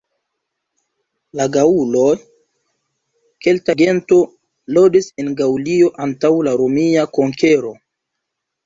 La gaŭloj -kelta gento- loĝis en Gaŭlio antaŭ la romia konkero.